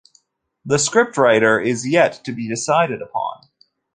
The scriptwriter is yet to be decided upon.